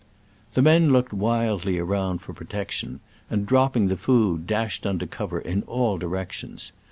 The men looked wildly around for protection, and, dropping the food, dash ed under cover in all directions.